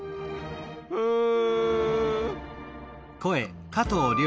うん。